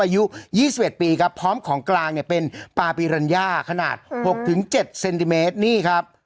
อายุยี่สิบเอ็ดปีครับพร้อมของกลางเนี้ยเป็นปลาปีรัญญาขนาดหกถึงเจ็ดเซนติเมตรนี่ครับ